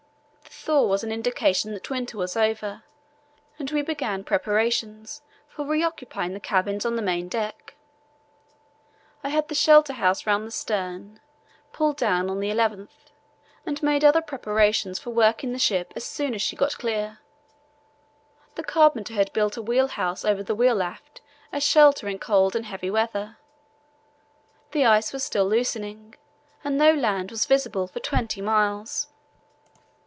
The thaw was an indication that winter was over, and we began preparations for reoccupying the cabins on the main deck. I had the shelter house round the stern pulled down on the 11th and made other preparations for working the ship as soon as she got clear. The carpenter had built a wheel house over the wheel aft as shelter in cold and heavy weather. The ice was still loosening and no land was visible for twenty miles.